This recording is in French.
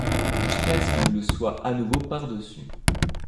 Jusqu'à ce qu'il le soit à nouveau par-dessus.